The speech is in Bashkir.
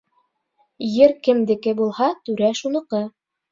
Ер кемдеке булһа, түрә шуныҡы.